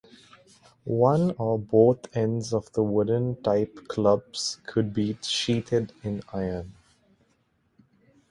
One or both ends of the wooden type clubs could be sheathed in iron.